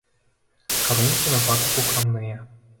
Карункі на фартуху крамныя.